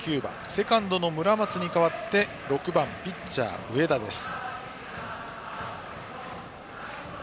セカンドの村松に代わって６番ピッチャー、上田です。